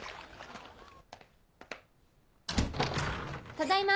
ただいま！